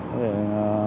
có thể là